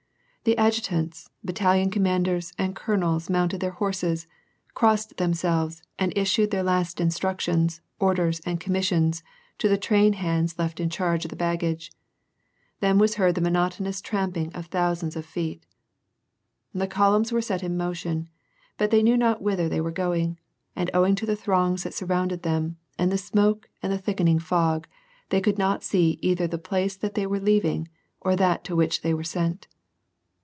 The adjutants, battalion commanders, and colonels mounted their horses, crossed themselves, and issued their last instruc tions, orders, and commissions to the traih hands left in charge of the baggage ; then was heard the monotonous trampling of thousands of feet. The columns were set in motion, but they knew not whither they were going, and owing to the throngs that surrounded them, and the smoke, and the thickening fog, they could not see either the place that they were leaving, or that to which they were sent.